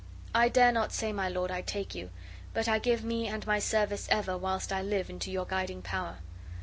I dare not say, my lord, I take you, but I give me and my service ever whilst I live into your guiding power."